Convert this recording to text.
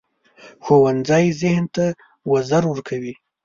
ښوونځی ذهن ته وزر ورکوي